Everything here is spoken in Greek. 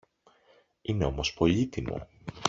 Είναι όμως πολύτιμο.